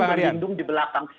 dan presiden menghitung di belakang